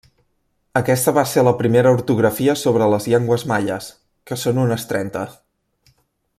Aquesta va ser la primera ortografia sobre les llengües maies, que són unes trenta.